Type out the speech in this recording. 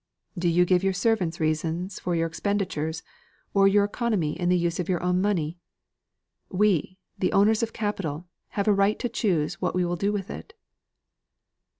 "Do you give your servants reasons for your expenditure, or your economy in the use of your own money? We, the owners of capital, have a right to choose what we will do with it."